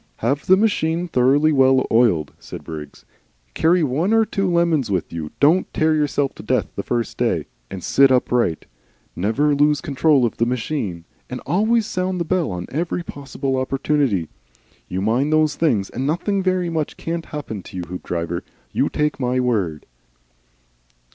"Have the machine thoroughly well oiled," said Briggs, "carry one or two lemons with you, don't tear yourself to death the first day, and sit upright. Never lose control of the machine, and always sound the bell on every possible opportunity. You mind those things, and nothing very much can't happen to you, Hoopdriver you take my word."